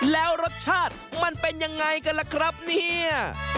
แล้วรสชาติมันเป็นยังไงกันล่ะครับเนี่ย